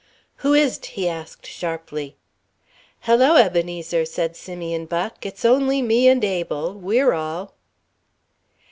"Who is't?" he asked sharply. "Hello, Ebenezer," said Simeon Buck, "it's only me and Abel. We're all."